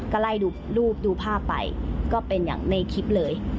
ก็ไล่ดูรูปดูภาพไปก็เป็นอย่างในคลิปเลย